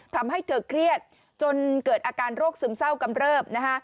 ทำให้เธอเครียดจนเกิดอาการโรคซึมเศร้ากำเริบ